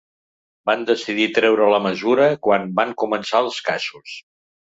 Van decidir treure la mesura quan van començar els casos.